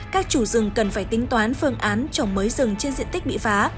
các chủ rừng cần phải tính toán phương án trồng mới rừng trên diện tích bị phá